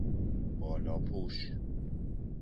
بالاپوش